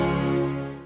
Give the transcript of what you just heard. ternyata aku salah